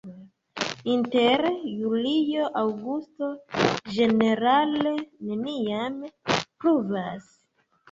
Inter julio-aŭgusto ĝenerale neniam pluvas.